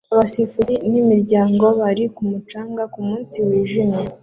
Abasifuzi nimiryango bari ku mucanga kumunsi wijimye